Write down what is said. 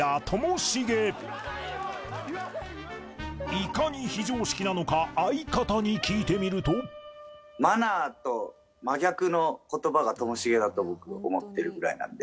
いかに非常識なのか相方に聞いてみるとだと僕思ってるぐらいなんで。